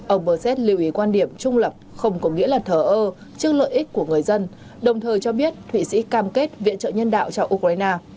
ông berset lưu ý quan điểm trung lập không có nghĩa là thờ ơ trước lợi ích của người dân đồng thời cho biết thụy sĩ cam kết viện trợ nhân đạo cho ukraine